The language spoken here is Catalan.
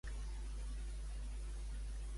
Per què estan sent interrogats, llavors?